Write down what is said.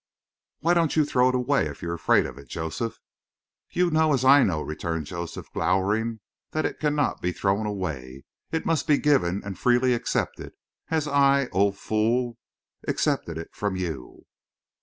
"Why don't you throw it away if you're afraid of it, Joseph?" "You know as I know," returned Joseph, glowering, "that it cannot be thrown away. It must be given and freely accepted, as I oh fool accepted it from you."